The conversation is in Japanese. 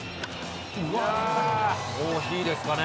コーヒーですかね。